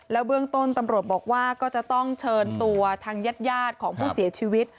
เบื้องต้นตำรวจบอกว่าก็จะต้องเชิญตัวทางญาติของผู้เสียชีวิต